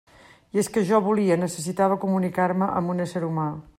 I és que jo volia, necessitava comunicar-me amb un ésser humà.